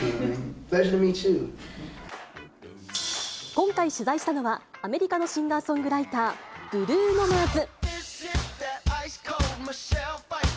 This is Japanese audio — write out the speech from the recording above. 今回取材したのは、アメリカのシンガーソングライター、ブルーノ・マーズ。